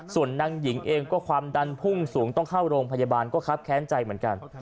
ส่วนนางหญิงเองก็ความดันพุ่งสูงต้องเข้าโรงพยาบาลก็ครับแค้นใจเหมือนกัน